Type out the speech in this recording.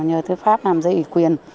nhờ tư pháp làm giấy ủy quyền